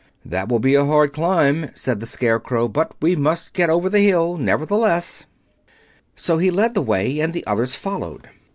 "That will be a hard climb," said the Scarecrow, "but we must get over the hill, nevertheless." So he led the way and the others followed.